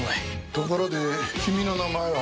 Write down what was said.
ところで君の名前は？